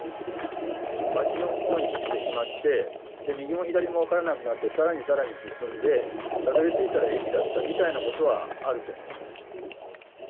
街のほうに行ってしまって、右も左も分からなくなって、さらにさらに進んで、たどりついたら駅だったみたいなことはあると思います。